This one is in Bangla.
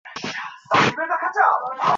তিনি কী খেয়েছেন?